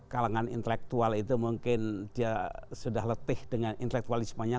kalangan intelektual itu mungkin dia sudah letih dengan intelektualismenya